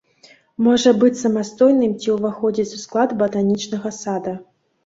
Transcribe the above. Можа быць самастойным ці уваходзіць у склад батанічнага сада.